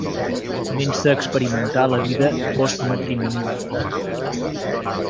Comença a experimentar la vida postmatrimonial.